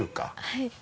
はい。